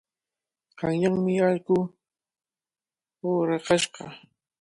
Qanyanmi allqu uqrakashqa.